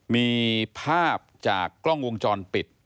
มีภาพจากกล้องวงจรปิด